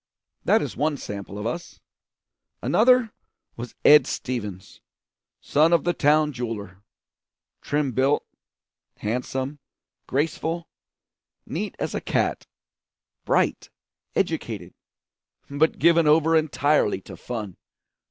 That is one sample of us. Another was Ed Stevens, son of the town jeweller, trim built, handsome, graceful, neat as a cat; bright, educated, but given over entirely to fun.